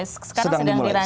sekarang sedang dirancang